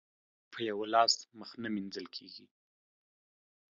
په يوه لاس مخ نه مينځل کېږي.